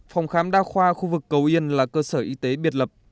phòng khám đa khoa khu vực cầu yên là cơ sở y tế biệt lập